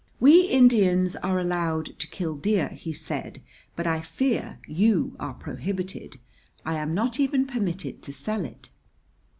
"We Indians are allowed to kill deer," he said; "but I fear you are prohibited. I am not even permitted to sell it."